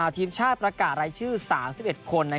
ทีมชาติประกาศรายชื่อ๓๑คน